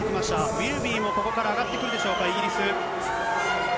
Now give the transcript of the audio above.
ウィルビーもここから上がってくるでしょうか、イギリス。